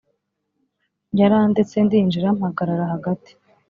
yarandetse ndinjira, mpagarara hagati